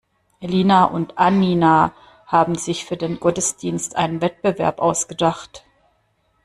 Elina und Annina haben sich für den Gottesdienst einen Wettbewerb ausgedacht.